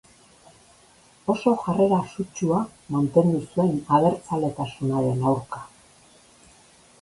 Oso jarrera sutsua mantendu zuen abertzaletasunaren aurka.